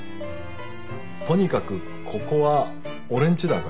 とにかくここは俺んちだから。